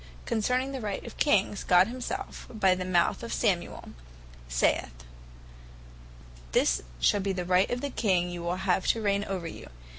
Concerning the Right of Kings, God himself by the mouth of Samuel, saith, (1 Sam. 8. 11, 12, &c.) "This shall be the Right of the King you will have to reigne over you.